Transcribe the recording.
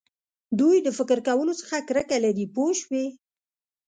دوی د فکر کولو څخه کرکه لري پوه شوې!.